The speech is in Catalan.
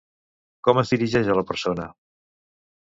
Com es dirigeix a la persona?